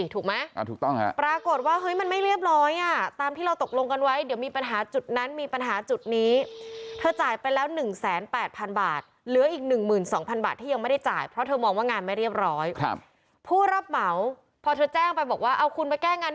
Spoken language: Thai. เธอบอกว่า๑กัญญายนปีที่แล้วเนี่ยเธอไปแจ้งความว่าที่สอบพเขาพนม